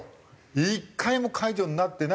１回も解除になってない